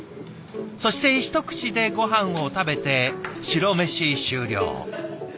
そして一口でごはんを食べて白飯終了。